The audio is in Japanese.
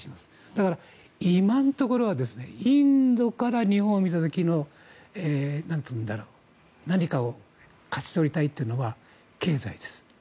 だから今のところはインドから日本を見た時の何かを勝ち取りたいというのは経済です。